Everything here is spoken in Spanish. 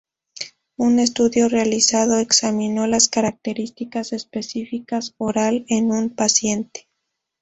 Un estudio realizado examinó las características específicas oral en un paciente.